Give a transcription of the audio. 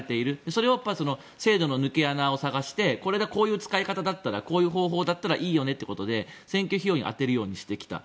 それを制度の抜け穴を探してこれでこういう使い方だったらこういう方法だったらいいよねってことで選挙費用に充てるようにしてきた。